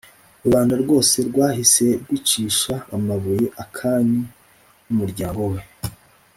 rubanda rwose rwahise rwicisha amabuye Akani n’ umuryango we.